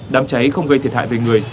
đám cháy không gây thiệt hại về người